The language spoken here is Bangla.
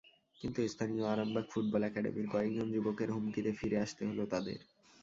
কিন্তু স্থানীয় আরামবাগ ফুটবল একাডেমির কয়েকজন যুবকের হুমকিতে ফিরে আসতে হলো তাদের।